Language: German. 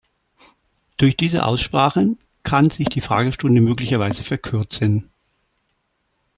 Durch diese Aussprachen kann sich die Fragestunde möglicherweise verkürzen.